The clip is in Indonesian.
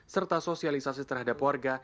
serta sosialisasi terhadap warga